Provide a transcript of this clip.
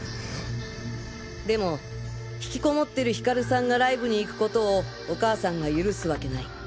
でも引きこもってるヒカルさんがライブに行く事をお母さんが許すワケない。